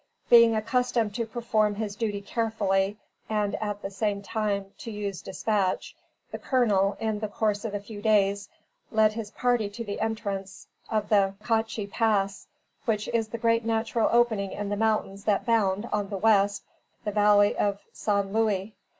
Being accustomed to perform his duty carefully, and, at the same time, to use dispatch, the Colonel, in the course of a few days, led his party to the entrance of the Saquachi Pass, which is the great natural opening in the mountains that bound, on the west, the valley of San Luis.